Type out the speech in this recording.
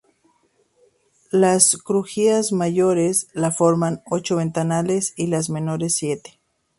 Las crujías mayores la forman ocho ventanales y las menores siete.